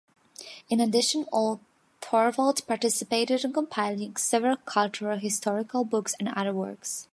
In addition, Ole Torvalds participated in compiling several cultural historical books and other works.